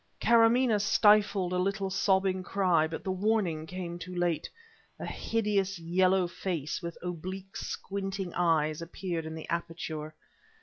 Karamaneh stifled a little sobbing cry; but the warning came too late. A hideous yellow face with oblique squinting eyes, appeared in the aperture.